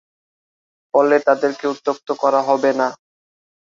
ফলে তাদেরকে উত্ত্যক্ত করা হবে না।